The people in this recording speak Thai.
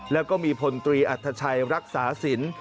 แล้วก็มีพลตรีอัธชัยรักษาสิน